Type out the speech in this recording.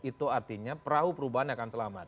itu artinya perahu perubahan akan selamat